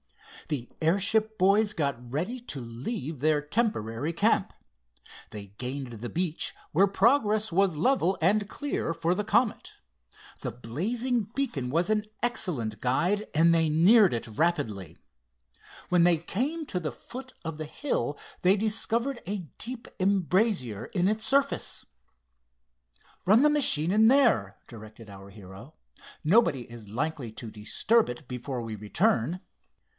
The airship boys got ready to leave their temporary camp. They gained the beach, where progress was level and clear for the Comet. The blazing beacon was an excellent guide, and they neared it rapidly. When they came to the foot of the hill, they discovered a deep embrasure in its surface. "Run the machine in there," directed our hero. "Nobody is likely to disturb it before we return."